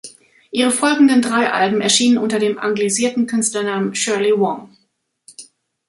Ihre folgenden drei Alben erschienen unter dem anglisierten Künstlernamen "Shirley Wong".